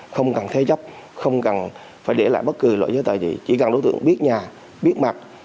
không cần thế chấp không cần phải để lại bất cứ loại giới tài gì chỉ cần đối tượng biết nhà biết mặt